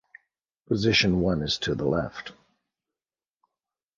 Position one is to the left.